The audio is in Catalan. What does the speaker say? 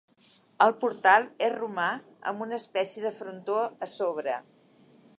El portal és romà amb una espècie de frontó a sobre.